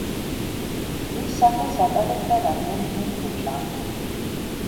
მის სახელს ატარებდა რამდენიმე ქუჩა.